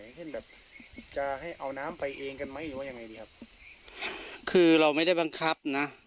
เช่นแบบจะให้เอาน้ำไปเองกันไหมหรือว่ายังไงดีครับคือเราไม่ได้บังคับนะ